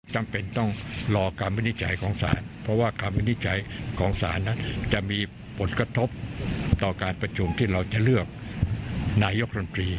จำเป็นต้องรอคำวินิจฉัยของศาลเพราะว่าคำวินิจฉัยของศาลนั้นจะมีผลกระทบต่อการประชุมที่เราจะเลือกนายกรมตรี